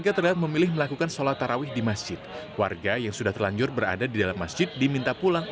jadi kalau ada bapak bapak yang melarang mereka datang